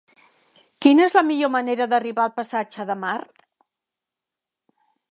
Quina és la millor manera d'arribar al passatge de Mart?